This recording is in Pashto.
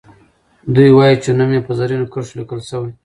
دوي وايي چې نوم یې په زرینو کرښو لیکل سوی.